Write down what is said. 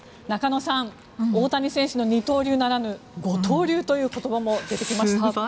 中野さん、大谷選手の二刀流ならぬ五刀流という言葉も出てきましたが。